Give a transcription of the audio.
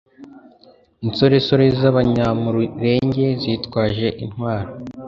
Insoresore z'Abanyamulenge zitwaje intwaro,